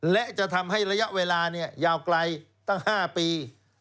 และจะทำให้ระยะเวลายาวไกลตั้ง๕ปี